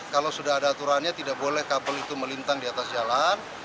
kalau sudah ada aturannya tidak boleh kabel itu melintang di atas jalan